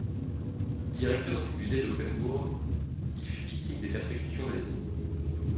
Directeur du musée d'Offenbourg, il fut victime des persécutions nazies.